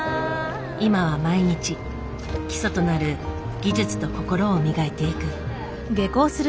今は毎日基礎となる技術と心を磨いていく。